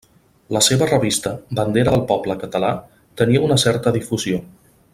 La seva revista, Bandera del Poble Català, tenia una certa difusió.